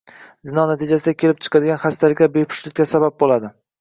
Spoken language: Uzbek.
Zino natijasida kelib chiqadigan xastaliklar bepushtlikka sabab bo‘ladi.